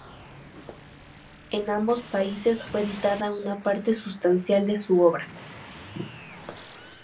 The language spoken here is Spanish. En ambos países fue editada una parte sustancial de su obra.